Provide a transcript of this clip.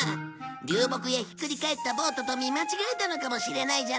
流木やひっくり返ったボートと見間違えたのかもしれないじゃない。